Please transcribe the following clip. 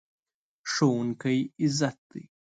ښوونکی عزت دی.